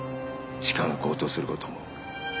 地価が高騰することも。